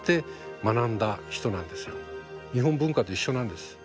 日本文化と一緒なんです。